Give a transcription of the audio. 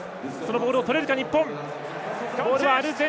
ボールを取れるか、日本。